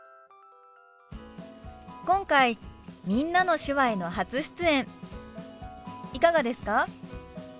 今回「みんなの手話」への初出演いかがですか？